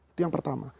itu yang pertama